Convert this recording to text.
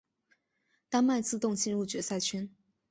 丹麦自动进入决赛圈。